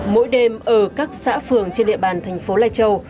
mỗi đêm ở các xã phường trên địa bàn thành phố lai châu